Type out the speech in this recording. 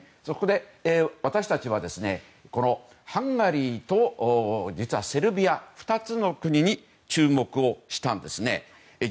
そこで、私たちはハンガリーとセルビア、２つの国に注目をしたんですね。